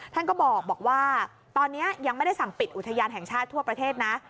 ท่านก็บอกว่าตอนนี้ยังไม่ได้สั่งปิดอุทยานแห่งชาติทั่วประเทศนะ